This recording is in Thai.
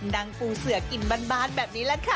น้องปีนกินบานแบบนี้แล้วค่ะ